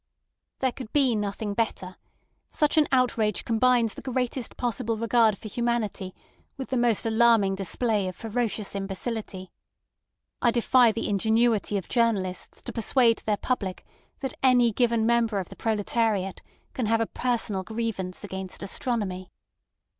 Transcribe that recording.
"There could be nothing better. Such an outrage combines the greatest possible regard for humanity with the most alarming display of ferocious imbecility. I defy the ingenuity of journalists to persuade their public that any given member of the proletariat can have a personal grievance against astronomy.